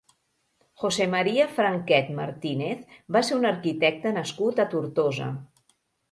José María Franquet Martínez va ser un arquitecte nascut a Tortosa.